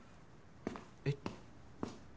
えっ。